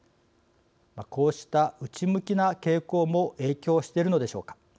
こうした内向きな傾向も影響しているのでしょうか。